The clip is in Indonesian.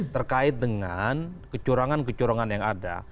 terkait dengan kecurangan kecurangan yang ada